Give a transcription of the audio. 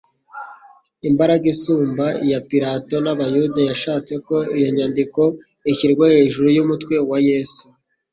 Imbaraga isumba iya Pilato n'abayuda yashatse ko iyo nyandiko ishyirwa hejuru y'umutwe wa Yesu.